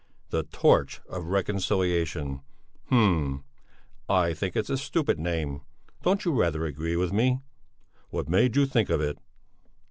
"The Torch of Reconciliation! Hm! I think it's a stupid name! Don't you rather agree with me? What made you think of it?"